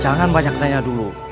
jangan banyak tanya dulu